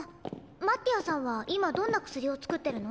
マッティアさんは今どんな薬を作ってるの？